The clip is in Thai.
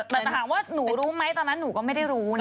แต่จะถามว่าหนูรู้ไหมตอนนั้นหนูก็ไม่ได้รู้นะ